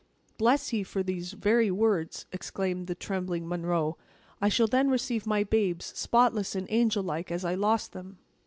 "Bless ye for these very words!" exclaimed the trembling Munro; "I shall then receive my babes, spotless and angel like, as I lost them!"